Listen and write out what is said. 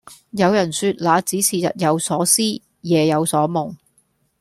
有人說那只是日有所思夜有所夢